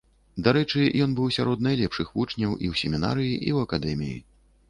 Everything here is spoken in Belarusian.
Дарэчы, ён быў сярод найлепшых вучняў і ў семінарыі, і ў акадэміі.